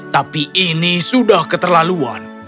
tapi ini sudah keterlaluan